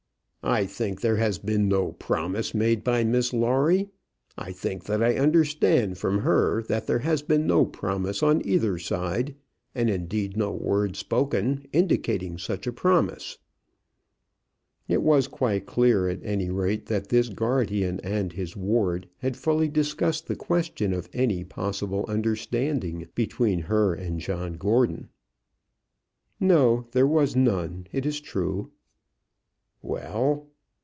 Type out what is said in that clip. "I think there has been no promise made by Miss Lawrie. I think that I understand from her that there has been no promise on either side; and indeed no word spoken indicating such a promise." It was quite clear, at any rate, that this guardian and his ward had fully discussed the question of any possible understanding between her and John Gordon. "No; there was none: it is true." "Well?"